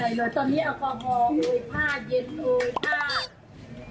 ตอนนี้เอาความห่อเลยผ้าเย็นเลย